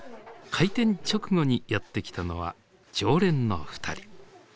開店直後にやって来たのは常連のふたり。